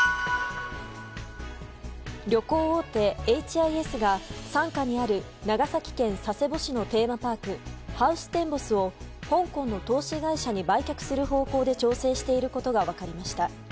旅行大手ＨＩＳが傘下にある長崎県佐世保市のテーマパークハウステンボスを香港の投資会社に売却する方向で調整していることが分かりました。